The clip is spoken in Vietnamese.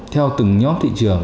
theo từng nhóm thị trường